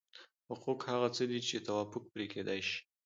حقوق هغه څه دي چې توافق پرې کېدای شي.